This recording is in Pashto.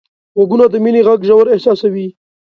غوږونه د مینې غږ ژور احساسوي